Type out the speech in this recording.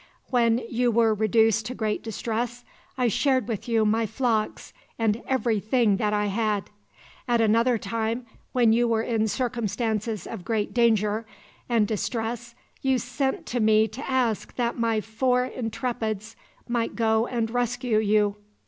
When you were reduced to great distress, I shared with you my flocks and every thing that I had. "At another time, when you were in circumstances of great danger and distress, you sent to me to ask that my four intrepids might go and rescue you.